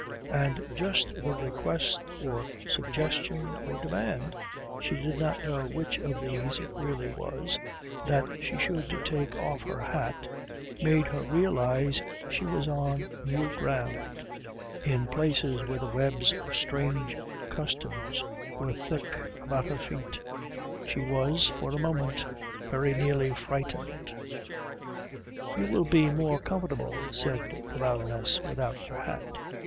And just the request or suggestion or demand she did not know which of these it really was that she should take off her hat, made her realise she was on new ground, in places where the webs of strange customs were thick about her feet. She was, for a moment, very nearly frightened. "You will be more comfortable," said the Baroness, "without your hat."